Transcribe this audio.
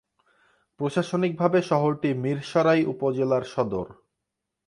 প্রশাসনিকভাবে শহরটি মীরসরাই উপজেলার সদর।